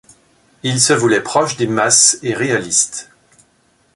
Il se voulait proche des masses et réaliste.